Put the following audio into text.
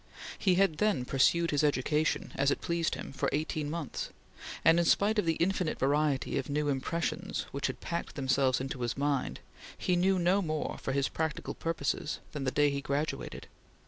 He had then pursued his education, as it pleased him, for eighteen months, and in spite of the infinite variety of new impressions which had packed themselves into his mind, he knew no more, for his practical purposes, than the day he graduated.